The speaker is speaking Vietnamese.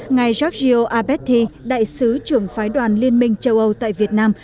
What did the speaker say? ngài giorgio abetti đại sứ trưởng phái đoàn liên minh châu âu tại việt nam